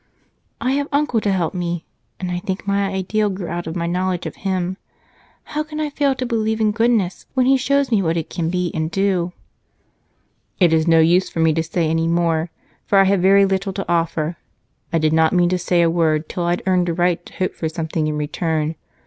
"I have Uncle to help me, and I think my ideal grew out of my knowledge of him. How can I fail to believe in goodness, when he shows me what it can be and do?" "It's no use for me to say any more, for I have very little to offer. I did not mean to say a word till I earned a right to hope for something in return.